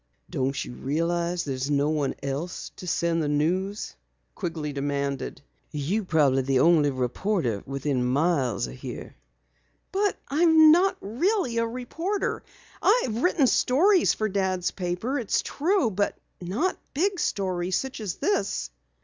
"Don't you realize there's no one else to send the news?" Quigley demanded. "You're probably the only reporter within miles of here." "But I'm not really a reporter. I've written stories for Dad's paper, it's true. But not big stories such as this."